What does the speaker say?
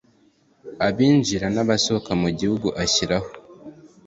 abinjira n abasohoka mu gihugu ashyiraho